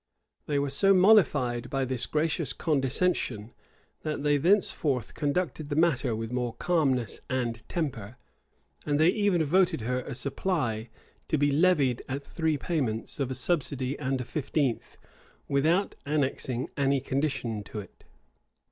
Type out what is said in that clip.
[*] They were so mollified by this gracious condescension, that they thenceforth conducted the matter with more calmness and temper, and they even voted her a supply, to be levied at three payments, of a subsidy and a fifteenth, without annexing any condition to it.